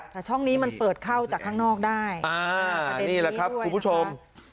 แต่ช่องนี้มันเปิดเข้าจากข้างนอกได้อ่านี่แหละครับคุณผู้ชม